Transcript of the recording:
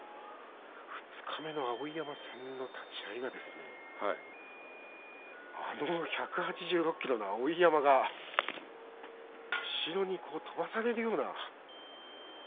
二日目の碧山戦の立ち合いがあの１８６ｋｇの碧山が後ろに飛ばされるようになった。